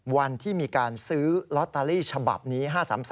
วันที่มีการซื้อลอตเตอรี่ฉบับนี้๕๓๓